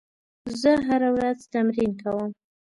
زه هره ورځ تمرین کوم.